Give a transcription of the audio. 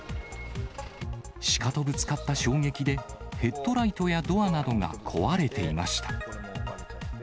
シカとぶつかった衝撃で、ヘッドライトやドアなどが壊れていました。